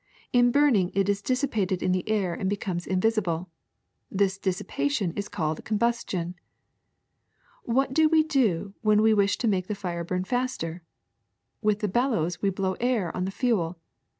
In burning it is dissipated in the air and becomes invisible. This dissipation is called combustion. What do we do when we wish to make the fire burn faster? With the bellows we blow air on the fuel.